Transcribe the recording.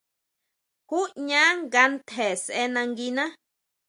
¿Jú ñaʼán nga ntje sʼe nanguiná?